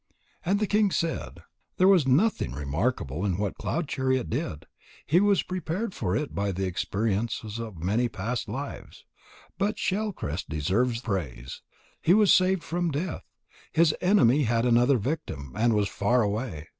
And the king said: "There was nothing remarkable in what Cloud chariot did. He was prepared for it by the experiences of many past lives. But Shell crest deserves praise. He was saved from death. His enemy had another victim, and was far away.